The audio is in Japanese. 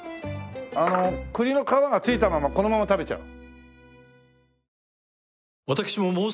あの栗の皮が付いたままこのまま食べちゃう？